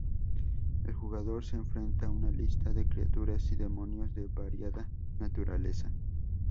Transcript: El jugador se enfrenta a una lista de criaturas y demonios de variada naturaleza.